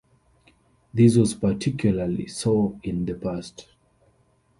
This was particularly so in the past.